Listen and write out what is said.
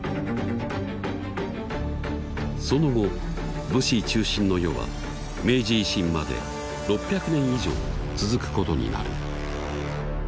その後武士中心の世は明治維新まで６００年以上続くことになる。